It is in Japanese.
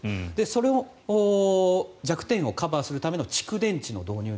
その弱点をカバーするための蓄電池の導入。